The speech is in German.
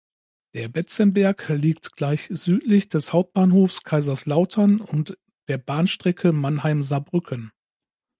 Der Betzenberg liegt gleich südlich des Hauptbahnhofs Kaiserslautern und der Bahnstrecke Mannheim–Saarbrücken.